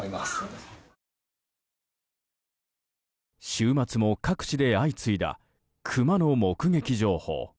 週末も各地で相次いだクマの目撃情報。